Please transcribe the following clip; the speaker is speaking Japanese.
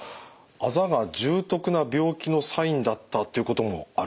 あざが重篤な病気のサインだったっていうこともあると。